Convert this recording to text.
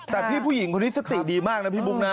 แต่พี่ผู้หญิงคนนี้สติดีมากนะพี่บุ๊คนะ